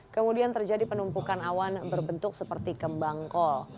kemudian terjadi penumpukan awan berbentuk seperti kembang kol